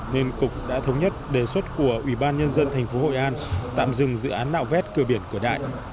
nên cục đã thống nhất đề xuất của ủy ban nhân dân thành phố hội an tạm dừng dự án nạo vét cơ biển của đại